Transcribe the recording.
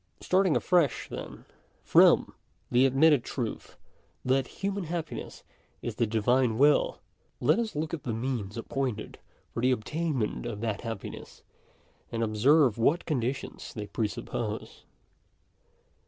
Starting afresh then, from the admitted truth, that human happiness is the Divine will, let ns look at the means appointed for the obtainmetit of that happiness, and observe what conditions they presuppose.